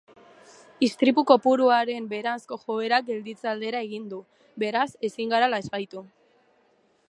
Istripu kopuruaren beheranzko joerak gelditze aldera egin du, beraz ezin gara lasaitu.